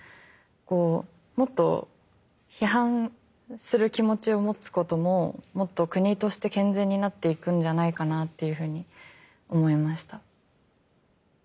こうもっと批判する気持ちを持つことももっと国として健全になっていくんじゃないかなっていうふうに思いました。